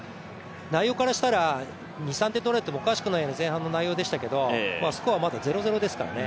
内容からしたら、２３点とられてもおかしくないような前半でしたがスコアまだ０−０ですからね